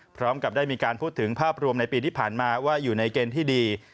พร้อมกับได้มีการพูดถึงภาพรวมในปีที่ผ่านมาว่าอยู่ในเกณฑ์ที่ดี